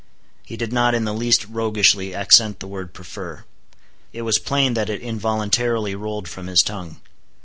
He did not in the least roguishly accent the word prefer. It was plain that it involuntarily rolled from his tongue.